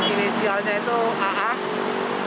inisialnya itu aa